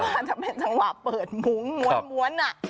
เพราะว่าจะเป็นจังหวะเปิดมุ้งม้วนน่ะ